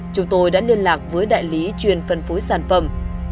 chúng tôi đã liên lạc với đại lý chuyên phân phối sản phẩm